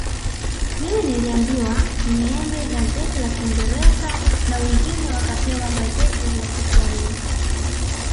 Mimi niliambiwa niende gazeti la kingereza na wengine wakapewa gazeti la kishwahili